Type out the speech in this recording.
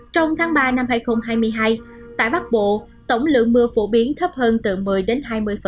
trong tháng ba năm hai nghìn hai mươi hai tại bắc bộ tổng lượng mưa phổ biến thấp hơn từ một mươi đến hai mươi